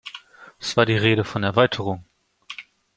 Es war die Rede von Erweiterung.